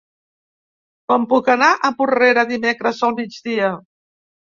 Com puc anar a Porrera dimecres al migdia?